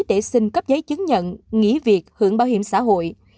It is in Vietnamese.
để xin cấp giấy chứng nhận nghỉ việc hưởng bảo hiểm xã hội